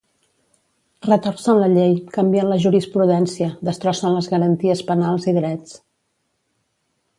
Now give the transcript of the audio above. Retorcen la llei, canvien la jurisprudència, destrossen les garanties penals i drets.